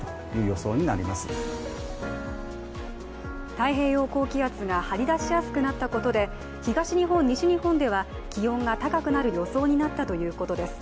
太平洋高気圧が張り出しやすくなったことで東日本、西日本では気温が高くなる予想になったということです。